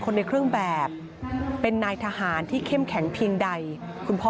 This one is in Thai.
ในเครื่องแบบเป็นนายทหารที่เข้มแข็งเพียงใดคุณพ่อ